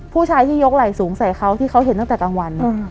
ผู้ชายที่ยกไหล่สูงใส่เขาที่เขาเห็นตั้งแต่กลางวัน